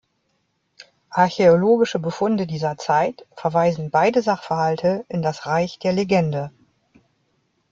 Archäologische Befunde dieser Zeit verweisen beide Sachverhalte in das Reich der Legende.